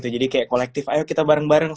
jadi kayak kolektif ayo kita bareng bareng